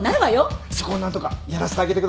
そこを何とかやらせてあげてください。